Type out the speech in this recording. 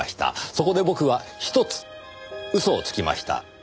そこで僕は１つ嘘をつきました。